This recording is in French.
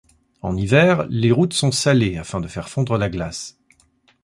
En hiver, les routes sont salées afin de faire fondre la glace.